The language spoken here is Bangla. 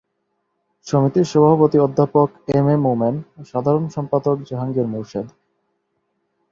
সমিতির সভাপতি অধ্যাপক এম এ মোমেন ও সাধারণ সম্পাদক জাহাঙ্গীর মোর্শেদ।